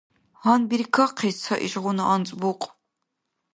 Гьанбиркахъис ца ишгъуна анцӀбукь.